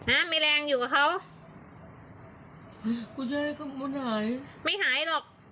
อ่ะมีแรงอยู่กับเขากูจะให้เขาหายไม่หายหรอก